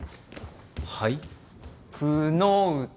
はい？